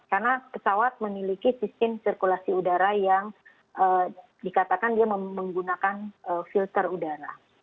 karena pesawat memiliki sistem sirkulasi udara yang dikatakan dia menggunakan filter udara